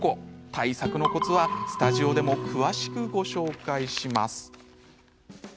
対策のコツはスタジオでも詳しくご紹介します。